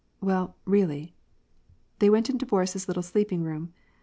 " Well, really "— They went into Boris's little sleeping room.